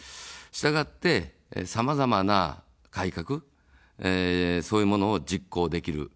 したがって、さまざまな改革、そういうものを実行できる。